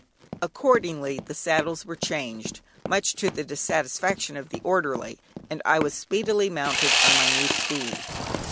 Accordingly, the saddles were changed, much to the dissatisfaction of the orderly, and I was speedily mounted on my new steed.